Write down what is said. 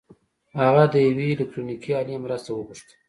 هغه د یوې الکټرونیکي الې مرسته وغوښته